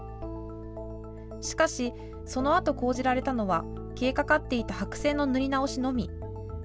しかし、そのあと講じられたのは消えかかっていた白線の塗り直しのみ。